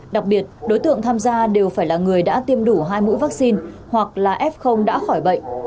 đặc biệt đối tượng tham gia đều phải là người đã tiêm đủ hai mũi vaccine hoặc là f đã khỏi bệnh